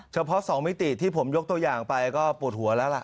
เฉพาะ๒มิติที่ผมยกตัวอย่างไปก็ปวดหัวแล้วล่ะ